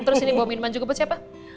buat minuman juga buat siapa